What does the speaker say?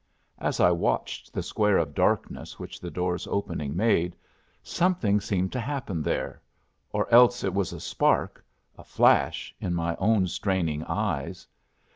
As I watched the square of darkness which the door's opening made, something seemed to happen there or else it was a spark, a flash, in my own straining eyes.